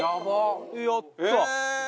やったー！